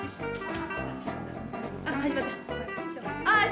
あ！